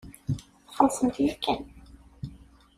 Txellṣemt yakan.